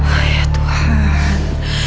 oh ya tuhan